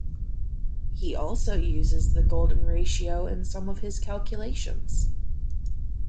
He also uses the golden ratio in some of his calculations.